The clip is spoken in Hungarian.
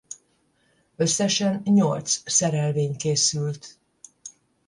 Összesen nyolc szerelvény készült.